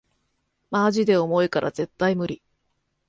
マジで重いから絶対ムリ